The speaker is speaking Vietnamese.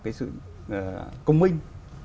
cái sự công minh